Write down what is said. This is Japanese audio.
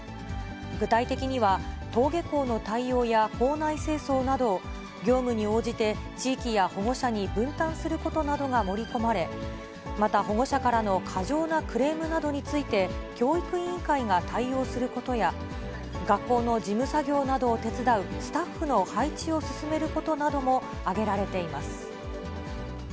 具体的には、登下校の対応や校内清掃などを、業務に応じて、地域や保護者に分担することなどが盛り込まれ、また保護者からの過剰なクレームなどについて、教育委員会が対応することや、学校の事務作業などを手伝うスタッフの配置を進めることなども挙げられています。